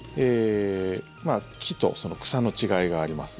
木と草の違いがあります。